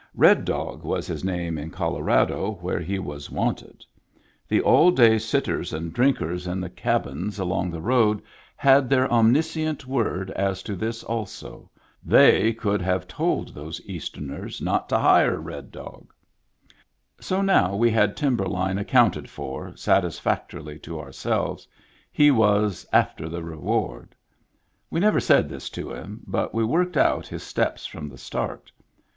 Red Dog was his name in Colorado, where he was wanted." The all day sitters and drinkers in Digitized by Google TIMBERLINE 145 the cabins along the road had their omniscient word as to this also : they could have told those Easterners not to hire Red Dog I So now we had Timberline accounted for satis factorily to ourselves ; he was " after the reward.'* We never said this to him, but we worked out his steps from the start.